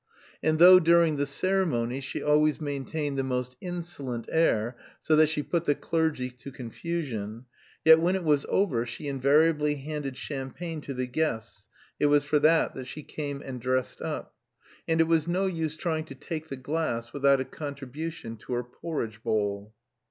And though during the ceremony she always maintained "the most insolent air," so that she put the clergy to confusion, yet when it was over she invariably handed champagne to the guests (it was for that that she came and dressed up), and it was no use trying to take the glass without a contribution to her "porridge bowl."